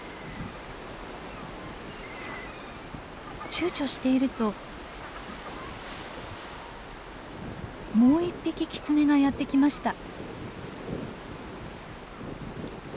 ちゅうちょしているともう１匹キツネがやって来ました。